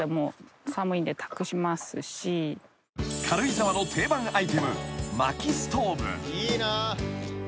［軽井沢の定番アイテム］